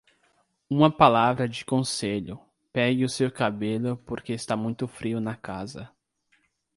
Uma palavra de conselho, pegue o seu cabelo porque está muito frio na casa.